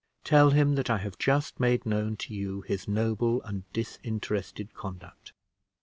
Tell him that I have just made known to you his noble and disinterested conduct."